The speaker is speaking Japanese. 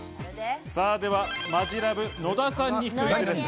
では、マヂラブ野田さんにクイズです。